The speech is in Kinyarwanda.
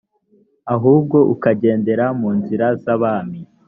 ahubwo ukagendera mu nzira z abami